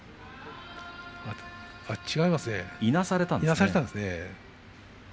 違いますねいなされたんですね。